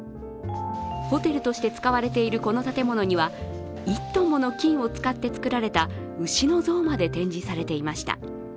ホテルとして使われているこの建物には１ｔもの金を使って作られた牛の像まで展示されていました。